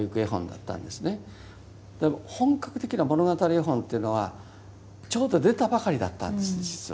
本格的な物語絵本というのはちょうど出たばかりだったんです実は。